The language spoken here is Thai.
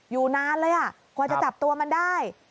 อยู่นานเลยกว่าจะจับตัวมันได้